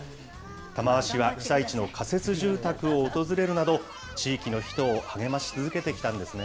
玉鷲は被災地の仮設住宅を訪れるなど、地域の人を励まし続けてきたんですね。